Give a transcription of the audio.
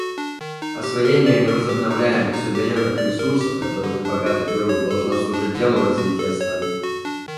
Освоение невозобновляемых суверенных ресурсов, которыми богато Перу, должно служить делу развития страны.